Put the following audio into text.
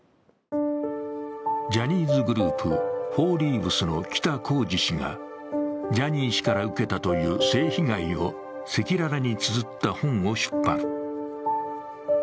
ジャニーズグループ、フォーリーブスの北公次氏がジャニー氏から受けたという性被害を赤裸々につづった本を出版。